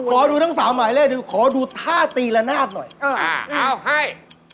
อ้อขอดูทั้ง๓หมายเลยขอดูท่าตีละนาบหน่อยอ้าวให้